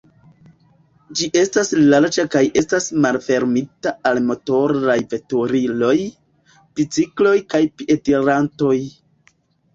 Ĝi estas larĝa kaj estas malfermita al motoraj veturiloj, bicikloj kaj piedirantoj.